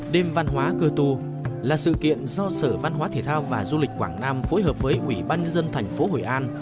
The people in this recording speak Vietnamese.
đêm văn hóa cơ tu là sự kiện do sở văn hóa thể thao và du lịch quảng nam phối hợp với ủy ban nhân dân thành phố hội an